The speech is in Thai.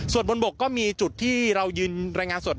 ส่วนบนบกก็มีจุดที่เรายืนรายงานสด